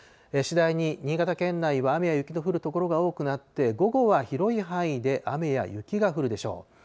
次第に新潟県内は雨や雪の降る所が多くなって、午後は広い範囲で雨や雪が降るでしょう。